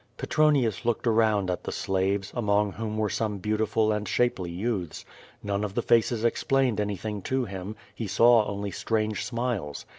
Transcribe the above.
Petronius looked around at the slaves, among whom were some beautiful and shapely youths. None of the faces ex plained anything to him; he saw only strange smiles.